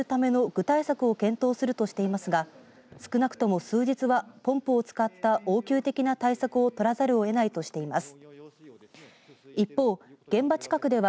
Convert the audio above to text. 東海農政局は今後漏水を止めるための具体策を検討するとしていますが少なくとも数日はポンプを使った応急的な対策を取らざるを得ないとしています。